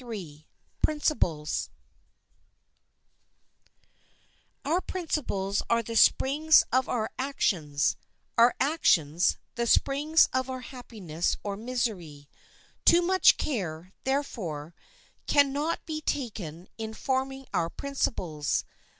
] Our principles are the springs of our actions; our actions, the springs of our happiness or misery. Too much care, therefore, can not be taken in forming our principles.